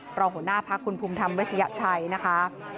รองหัวหน้าพักคุณภูมิธรรมเวชยชัยนะคะ